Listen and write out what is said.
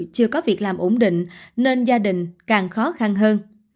chưa có việc làm ổn định nên gia đình càng khó khăn hơn